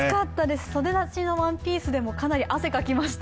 袖なしのワンピースでもかなり汗をかきました。